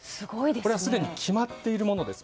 これはすでに決まっているものです。